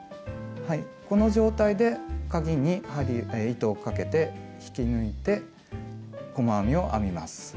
この状態でかぎに糸をかけて引き抜いて細編みを編みます。